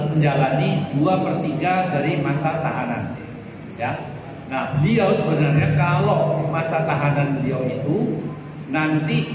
menjalani dua per tiga dari masa tahanan ya nah beliau sebenarnya kalau masa tahanan beliau itu nanti